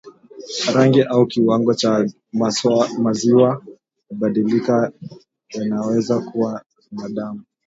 Rangi au kiwango cha maziwa hubadilika yanaweza kuwa na damu